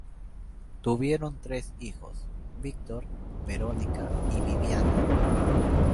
Tuvieron tres hijos: Víctor, Verónica y Viviana.